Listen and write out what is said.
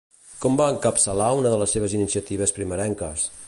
Com va encapçalar una de les seves iniciatives primerenques?